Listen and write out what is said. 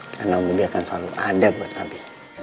karena om bobby akan selalu ada buat abi